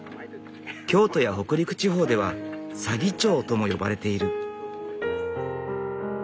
京都や北陸地方では左義長とも呼ばれている。